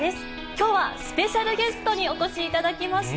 きょうはスペシャルゲストにお越しいただきました。